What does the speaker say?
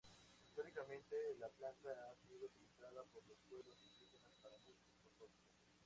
Históricamente, la planta ha sido utilizada por los pueblos indígenas para muchos propósitos.